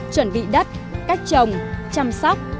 chuẩn bị đất cách trồng chăm sóc